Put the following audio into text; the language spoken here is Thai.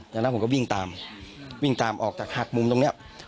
จากนั้นผมก็วิ่งตามวิ่งตามออกจากหักมุมตรงเนี้ย